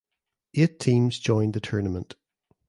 Eight teams joined the tournament.